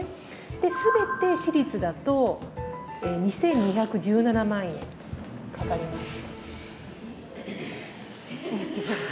ですべて私立だと２，２１７万円かかります。